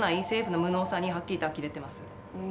政府の無能さにはっきりと呆れてます